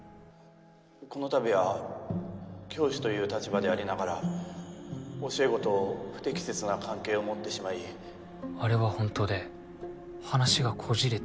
この度は教師という立場でありながら教え子と不適切な関係を持ってしまいあれは本当で話がこじれて。